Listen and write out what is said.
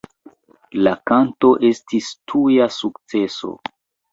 La kanto estis tuja sukceso.